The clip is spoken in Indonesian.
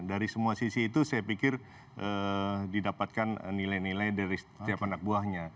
dari semua sisi itu saya pikir didapatkan nilai nilai dari setiap anak buahnya